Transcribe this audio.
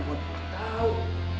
gimana mau jemput tau